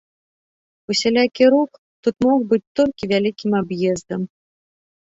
Усялякі рух тут мог быць толькі вялікім аб'ездам.